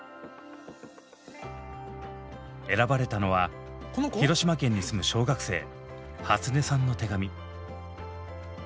選ばれたのは広島県に住む小学生はつねさんの手紙。